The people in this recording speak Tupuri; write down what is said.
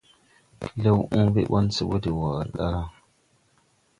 Klew oobe ɓɔn se de wɔɔre ɗa la,